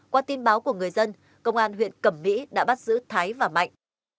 qua tin báo của người dân công an huyện cẩm mỹ đã bắt giữ thái và mạnh